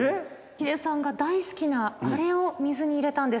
ヒデさんが大好きなあれを水に入れたんです。